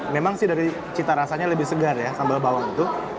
memang sih dari cita rasanya lebih segar ya sambal bawang itu